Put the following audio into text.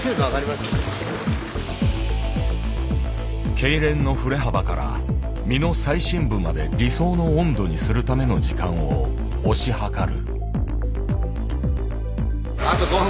痙攣の振れ幅から身の最深部まで理想の温度にするための時間を推し量る。